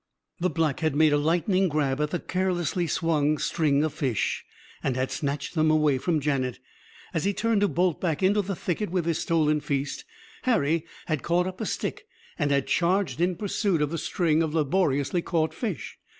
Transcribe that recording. The black had made a lightning grab at the carelessly swung string of fish; and had snatched them away from Janet. As he turned to bolt back into the thicket with his stolen feast, Harry had caught up a stick and had charged in pursuit of the string of laboriously caught fish.